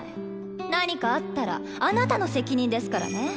何かあったらあなたの責任ですからね。